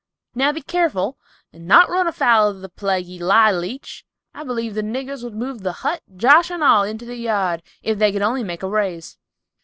Now be keerful and not run afoul of the plaguey lye leech. I b'lieve the niggers would move the hut, Josh and all, into the yard, if they could only make a raise!"